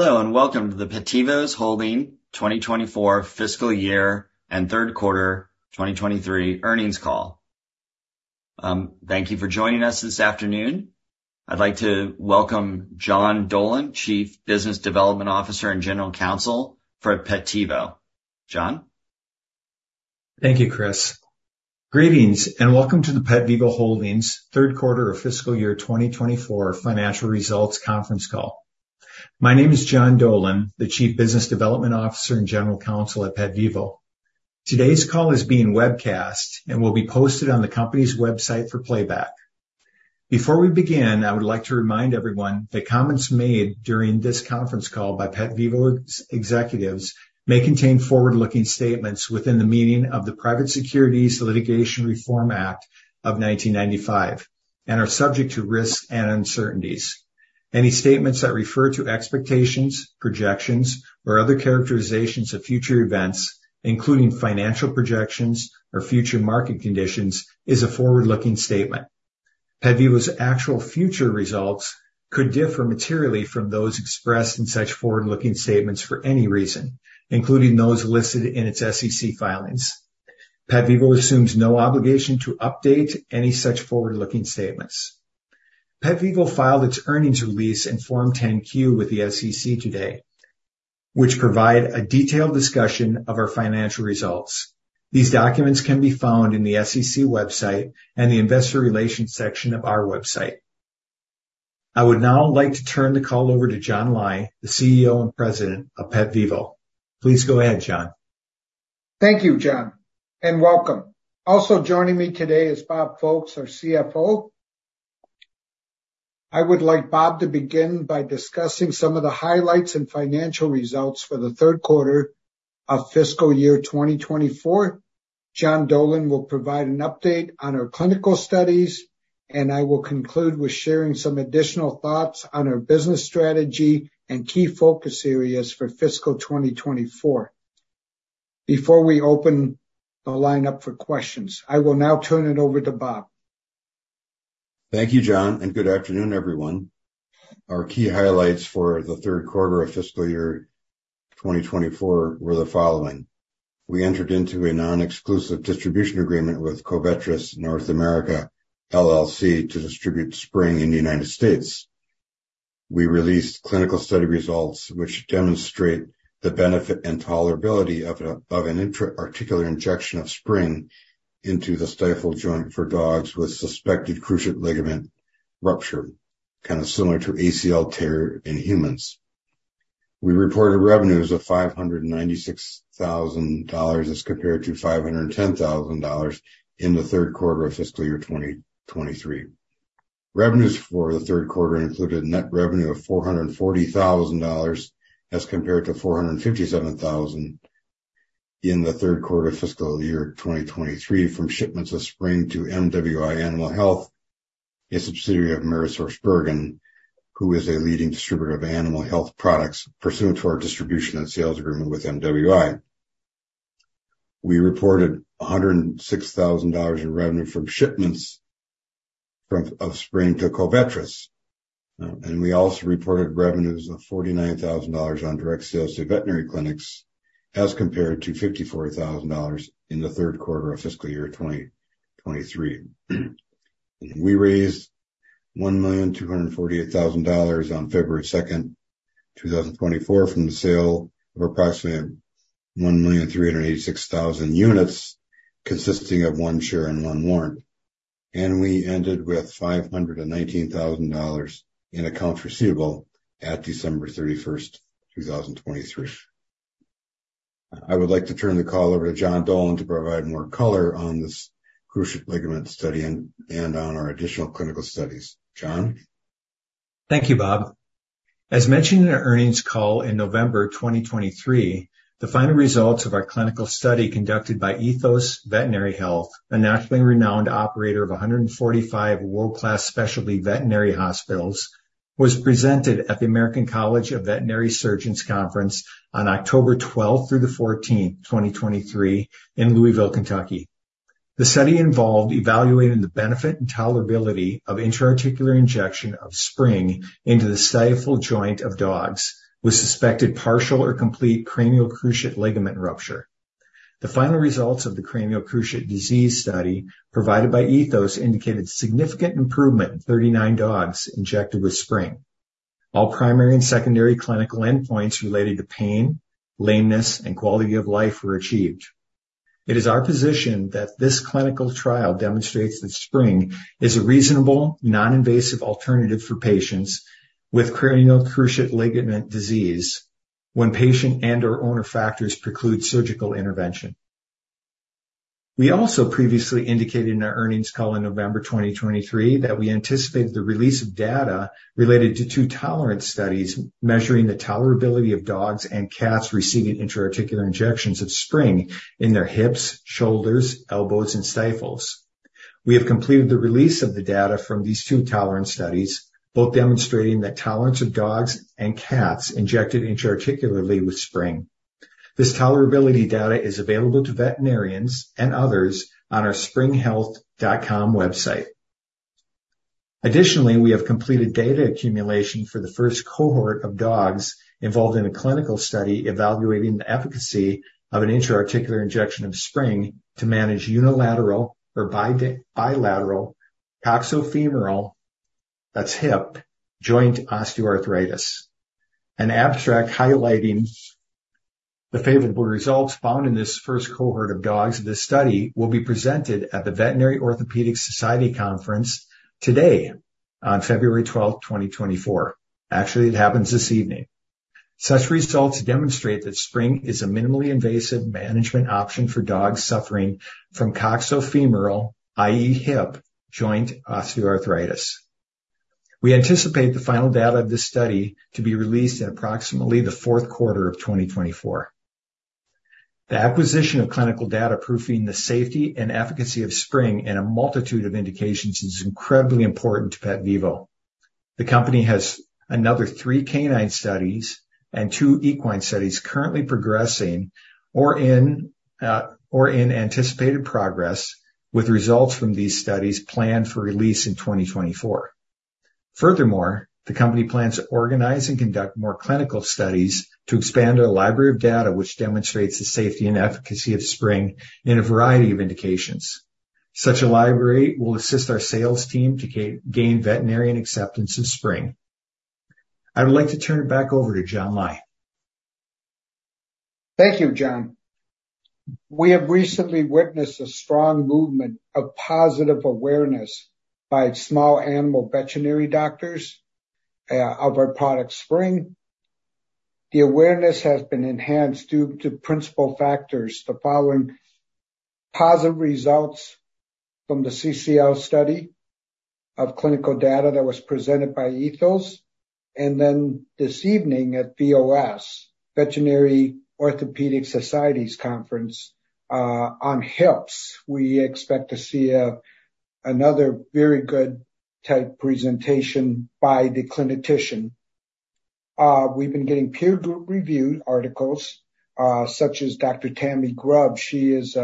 Hello and welcome to the PetVivo Holdings 2024 Fiscal Year and Third Quarter 2023 Earnings Call. Thank you for joining us this afternoon. I'd like to welcome John Dolan, Chief Business Development Officer and General Counsel for PetVivo Holdings. John. Thank you, Chris. Greetings and welcome to the PetVivo Holdings Third Quarter of Fiscal Year 2024 Financial Results Conference Call. My name is John Dolan, the Chief Business Development Officer and General Counsel at PetVivo. Today's call is being webcast and will be posted on the company's website for playback. Before we begin, I would like to remind everyone that comments made during this conference call by PetVivo executives may contain forward-looking statements within the meaning of the Private Securities Litigation Reform Act of 1995 and are subject to risk and uncertainties. Any statements that refer to expectations, projections, or other characterizations of future events, including financial projections or future market conditions, are a forward-looking statement. PetVivo's actual future results could differ materially from those expressed in such forward-looking statements for any reason, including those listed in its SEC filings. PetVivo assumes no obligation to update any such forward-looking statements. PetVivo filed its earnings release in Form 10-Q with the SEC today, which provide a detailed discussion of our financial results. These documents can be found in the SEC website and the Investor Relations section of our website. I would now like to turn the call over to John Lai, the CEO and President of PetVivo. Please go ahead, John. Thank you, John, and welcome. Also joining me today is Bob Folkes, our CFO. I would like Bob to begin by discussing some of the highlights and financial results for the third quarter of fiscal year 2024. John Dolan will provide an update on our clinical studies, and I will conclude with sharing some additional thoughts on our business strategy and key focus areas for fiscal 2024. Before we open the line up for questions, I will now turn it over to Bob. Thank you, John, and good afternoon, everyone. Our key highlights for the third quarter of fiscal year 2024 were the following: We entered into a non-exclusive distribution agreement with Covetrus North America, LLC, to distribute Spryng in the United States. We released clinical study results which demonstrate the benefit and tolerability of an intra-articular injection of Spryng into the stifle joint for dogs with suspected cruciate ligament rupture, kind of similar to ACL tear in humans. We reported revenues of $596,000 as compared to $510,000 in the third quarter of fiscal year 2023. Revenues for the third quarter included net revenue of $440,000 as compared to $457,000 in the third quarter of fiscal year 2023 from shipments of Spryng to MWI Animal Health, a subsidiary of AmerisourceBergen, who is a leading distributor of animal health products pursuant to our distribution and sales agreement with MWI. We reported $106,000 in revenue from shipments of Spryng to Covetrus, and we also reported revenues of $49,000 on direct sales to veterinary clinics as compared to $54,000 in the third quarter of fiscal year 2023. We raised $1,248,000 on February 2, 2024, from the sale of approximately 1,386,000 units consisting of one share and one warrant, and we ended with $519,000 in accounts receivable at December 31, 2023. I would like to turn the call over to John Dolan to provide more color on this cruciate ligament study and on our additional clinical studies. John. Thank you, Bob. As mentioned in our earnings call in November 2023, the final results of our clinical study conducted by Ethos Veterinary Health, a nationally renowned operator of 145 world-class specialty veterinary hospitals, was presented at the American College of Veterinary Surgeons Conference on October 12 through the 14th, 2023, in Louisville, Kentucky. The study involved evaluating the benefit and tolerability of intra-articular injection of Spryng into the stifle joint of dogs with suspected partial or complete cranial cruciate ligament rupture. The final results of the cranial cruciate disease study provided by Ethos indicated significant improvement in 39 dogs injected with Spryng. All primary and secondary clinical endpoints related to pain, lameness, and quality of life were achieved. It is our position that this clinical trial demonstrates that Spryng is a reasonable, non-invasive alternative for patients with cranial cruciate ligament disease when patient and/or owner factors preclude surgical intervention. We also previously indicated in our earnings call in November 2023 that we anticipated the release of data related to two tolerance studies measuring the tolerability of dogs and cats receiving intra-articular injections of Spryng in their hips, shoulders, elbows, and stifles. We have completed the release of the data from these two tolerance studies, both demonstrating the tolerance of dogs and cats injected intra-articularly with Spryng. This tolerability data is available to veterinarians and others on our sprynghealth.com website. Additionally, we have completed data accumulation for the first cohort of dogs involved in a clinical study evaluating the efficacy of an intra-articular injection of Spryng to manage unilateral or bilateral coxofemoral - that's hip - joint osteoarthritis. An abstract highlighting the favorable results found in this first cohort of dogs of this study will be presented at the Veterinary Orthopedic Society Conference today on February 12, 2024. Actually, it happens this evening. Such results demonstrate that Spryng is a minimally invasive management option for dogs suffering from coxofemoral, i.e., hip joint osteoarthritis. We anticipate the final data of this study to be released in approximately the fourth quarter of 2024. The acquisition of clinical data proving the safety and efficacy of Spryng and a multitude of indications is incredibly important to PetVivo. The company has another three canine studies and two equine studies currently progressing or in anticipated progress with results from these studies planned for release in 2024. Furthermore, the company plans to organize and conduct more clinical studies to expand our library of data, which demonstrates the safety and efficacy of Spryng in a variety of indications. Such a library will assist our sales team to gain veterinarian acceptance of Spryng. I would like to turn it back over to John Lai. Thank you, John. We have recently witnessed a strong movement of positive awareness by small animal veterinary doctors of our product, Spryng. The awareness has been enhanced due to principal factors: the following positive results from the CCL study of clinical data that was presented by Ethos, and then this evening at VOS Veterinary Orthopedic Society's conference on hips, we expect to see another very good-type presentation by the clinician. We've been getting peer-reviewed articles such as Dr. Tammy Grubb. She is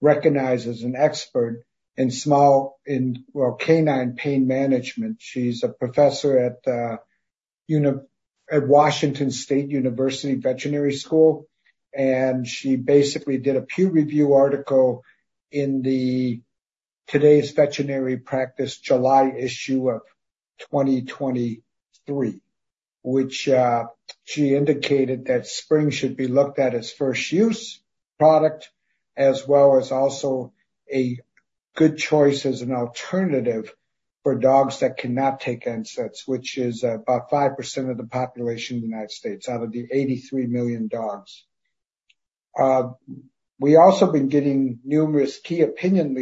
recognized as an expert in small animal pain management. She's a professor at Washington State University Veterinary School, and she basically did a peer-reviewed article in Today's Veterinary Practice July issue of 2023, which she indicated that Spryng should be looked at as first-use product as well as also a good choice as an alternative for dogs that cannot take NSAIDs, which is about 5% of the population in the United States out of the 83 million dogs. We've also been getting numerous key opinion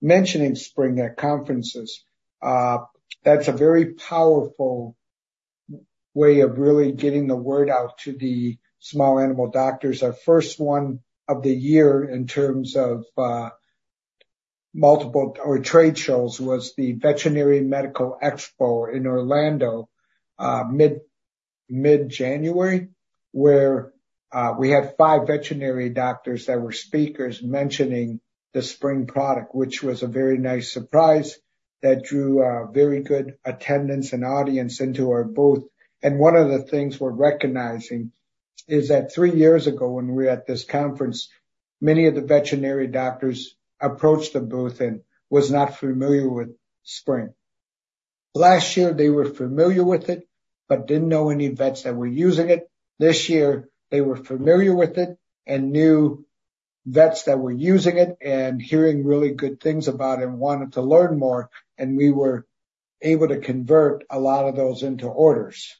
leaders mentioning Spryng at conferences. That's a very powerful way of really getting the word out to the small animal doctors. Our first one of the year in terms of multiple trade shows was the Veterinary Medical Expo in Orlando mid-January, where we had five veterinary doctors that were speakers mentioning the Spryng product, which was a very nice surprise that drew very good attendance and audience into our booth. One of the things we're recognizing is that three years ago when we were at this conference, many of the veterinary doctors approached the booth and were not familiar with Spryng. Last year, they were familiar with it but didn't know any vets that were using it. This year, they were familiar with it and knew vets that were using it and hearing really good things about it and wanted to learn more, and we were able to convert a lot of those into orders.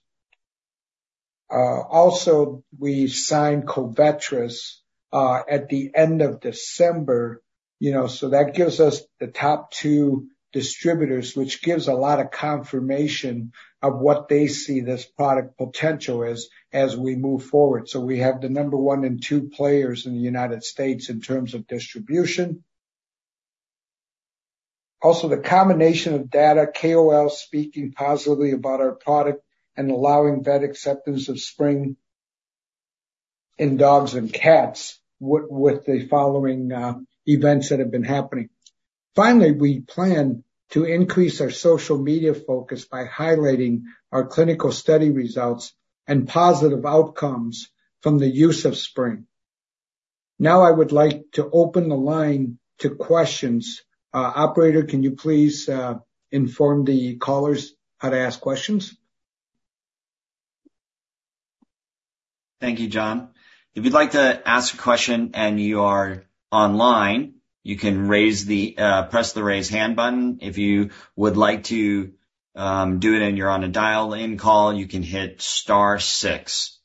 Also, we signed Covetrus at the end of December, so that gives us the top two distributors, which gives a lot of confirmation of what they see this product's potential is as we move forward. So we have the number one and two players in the United States in terms of distribution. Also, the combination of data, KOL speaking positively about our product and allowing vet acceptance of Spryng in dogs and cats with the following events that have been happening. Finally, we plan to increase our social media focus by highlighting our clinical study results and positive outcomes from the use of Spryng. Now, I would like to open the line to questions. Operator, can you please inform the callers how to ask questions? Thank you, John. If you'd like to ask a question and you are online, you can press the raise hand button. If you would like to do it and you're on a dial-in call, you can hit star six.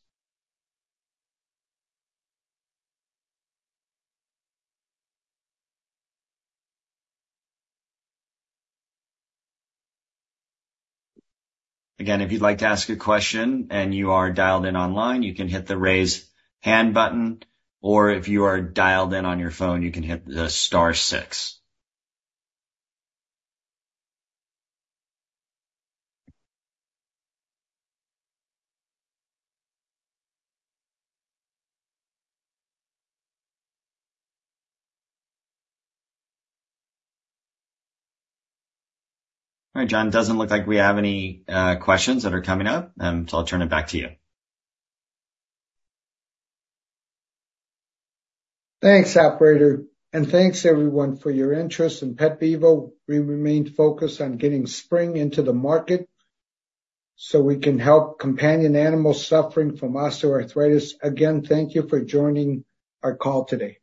Again, if you'd like to ask a question and you are dialed in online, you can hit the raise hand button, or if you are dialed in on your phone, you can hit the star six. All right, John. It doesn't look like we have any questions that are coming up, so I'll turn it back to you. Thanks, Operator, and thanks, everyone, for your interest. In PetVivo, we remain focused on getting Spryng into the market so we can help companion animals suffering from osteoarthritis. Again, thank you for joining our call today.